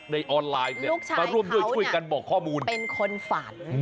ในออนไลน์มาร่วมด้วยช่วยกันบอกข้อมูลลูกชายเขาเป็นคนฝัน